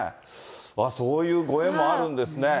そういうご縁もあるんですね。